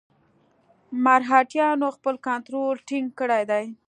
مرهټیانو خپل کنټرول ټینګ کړی دی.